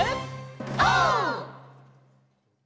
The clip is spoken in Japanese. オー！